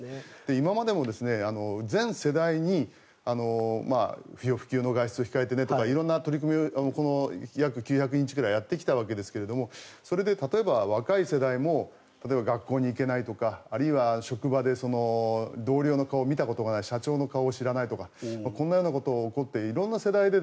今までも全世代に不要不急の外出を控えてねとか、色んな取り組みを約９００日ぐらいやってきたわけですが例えば、若い世代も例えば学校に行けないとか職場で同僚の顔を見たことがない社長の顔を知らないとかこんなことが起こって色んな世代で